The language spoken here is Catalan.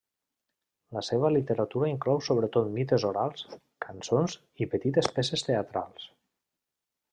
La seva literatura inclou sobretot mites orals, cançons i petites peces teatrals.